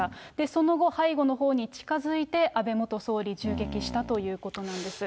その後、背後のほうに近づいて、安倍元総理を銃撃したということなんです。